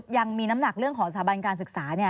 ยังมีน้ำหนักเรื่องของสถาบันการศึกษา